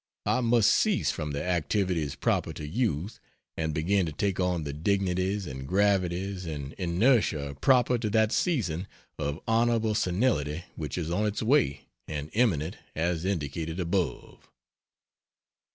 I must cease from the activities proper to youth and begin to take on the dignities and gravities and inertia proper to that season of honorable senility which is on its way and imminent as indicated above.